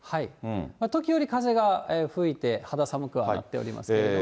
時折、風が吹いて、肌寒くはなっておりますけれども。